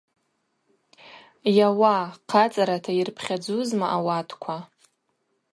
Йауа хъацӏарата йырпхьадзузма ауатква!